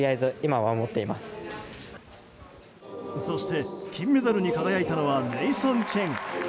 そして金メダルに輝いたのはネイサン・チェン。